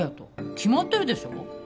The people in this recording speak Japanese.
決まってるでしょ。